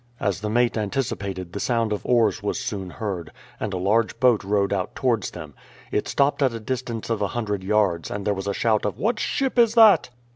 As the mate anticipated, the sound of oars was soon heard, and a large boat rowed out towards them. It stopped at a distance of a hundred yards, and there was a shout of "What ship is that?"